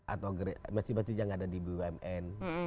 atau masjid masjid yang ada di bumn